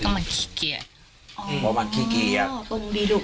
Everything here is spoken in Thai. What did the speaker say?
ก็มันขี้เกียจอ๋อเพราะมันขี้เกียจอ๋อเพราะลุงดีดู